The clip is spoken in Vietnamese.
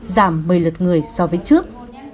giảm một mươi lượt người so với trước